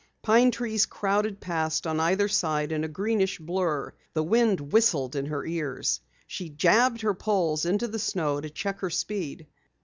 Pine trees crowded past on either side in a greenish blur. The wind whistled in her ears. She jabbed her poles into the snow to check her speed.